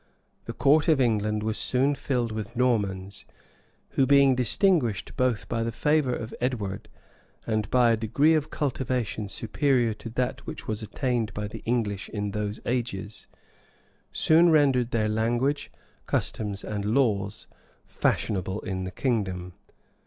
[] The court of England was soon filled with Normans, who, being distinguished both by the favor of Edward, and by a degree of cultivation superior to that which was attained by the English in those ages, soon rendered their language, customs, and laws fashionable in the kingdom.